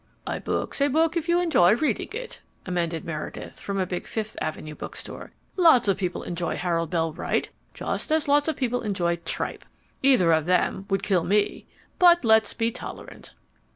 "A book's a book if you enjoy reading it," amended Meredith, from a big Fifth Avenue bookstore. "Lots of people enjoy Harold Bell Wright just as lots of people enjoy tripe. Either of them would kill me. But let's be tolerant."